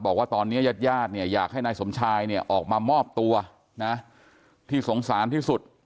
บอกว่าตอนนี้ยาดอยากให้นายสมชายออกมามอบตัวที่สงสารที่สุด